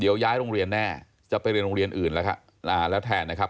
เดี๋ยวย้ายโรงเรียนแน่จะไปเรียนโรงเรียนอื่นแล้วครับอ่าแล้วแทนนะครับ